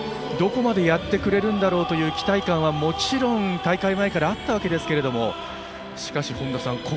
どこまでやってくれるんだろうという期待感は大会前からあったわけですがしかし、本田さん